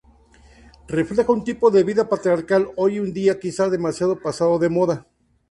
Refleja un tipo de vida patriarcal, hoy en día quizá demasiado pasado de moda.